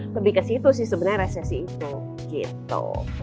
lebih ke situ sih sebenarnya resesi itu gitu